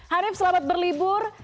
harif selamat berlibur